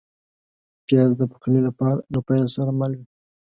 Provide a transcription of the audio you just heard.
پیاز د پخلي له پیل سره مل وي